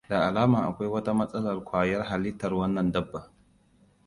Da alama akwai wata matsalar ƙwayar halittar wannan dabba.